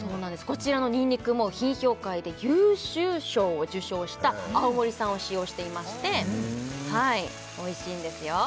こちらのニンニクも品評会で優秀賞を受賞した青森産を使用していましておいしいんですよ